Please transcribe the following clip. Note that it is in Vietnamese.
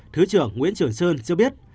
thứ trưởng nguyễn trường sơn cho biết